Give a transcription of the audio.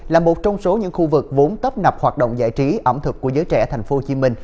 là một trong số những khu vực vốn tấp nập hoạt động giải trí ẩm thực của giới trẻ tp hcm